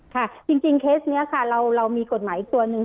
ค่ะจริงเคสนี้ค่ะเรามีกฎหมายอีกตัวหนึ่ง